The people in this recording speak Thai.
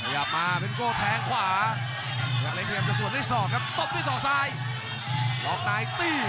อย่ามาเป็นโก้แทงขวา